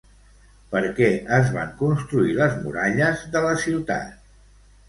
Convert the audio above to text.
Per què es van construir les muralles de la ciutat?